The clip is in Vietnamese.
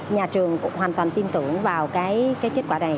nhà trường cũng hoàn toàn tin tưởng vào cái kết quả này